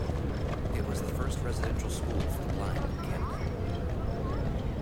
It was the first residential school for the blind in Canada.